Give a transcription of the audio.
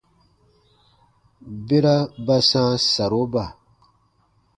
Bera ba sãa saroba.